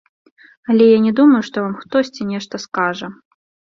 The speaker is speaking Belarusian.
Але я не думаю, што вам хтосьці нешта скажа.